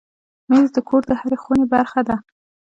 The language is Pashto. مېز د کور د هرې خونې برخه ده.